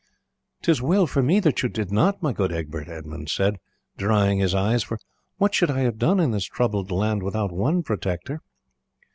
"'Tis well for me that you did not, my good Egbert," Edmund said, drying his eyes, "for what should I have done in this troubled land without one protector?"